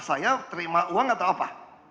saya terima uang atau apa